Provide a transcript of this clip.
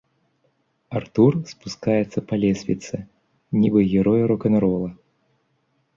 Артур спускаецца па лесвіцы, нібы герой рок-н-рола.